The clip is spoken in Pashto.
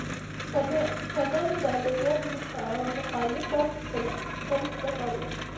که نه مو د ادبیاتو مخالفت په دغسې طرز نه کاوه.